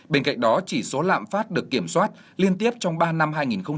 bên cạnh đó chỉ số lạm phát được kiểm soát liên tiếp trong ba năm hai nghìn một mươi sáu hai nghìn một mươi tám